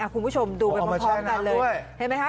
คุณผู้ชมดูไปพร้อมกันเลยเห็นไหมคะ